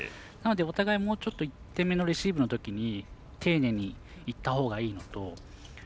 なので、お互いもうちょっと１点目のレシーブのときに丁寧にいったほうがいいのと。